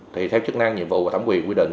thì theo chức năng nhiệm vụ và thẩm quyền quy định